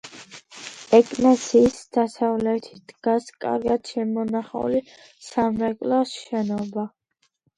ეკლესიის დასავლეთით დგას კარგად შემონახული სამრეკლოს შენობა.